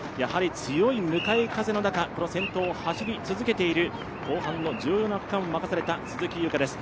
強い向かい風の中、先頭を走り続けている後半の重要な区間を任された鈴木優花です。